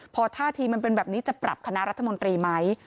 พอท่าทีมันเป็นแบบนี้จะปรับคณะรัฐมนตรีไหม